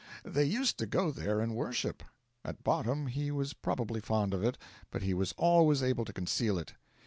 They used to go there and worship. At bottom he was probably fond of it, but he was always able to conceal it.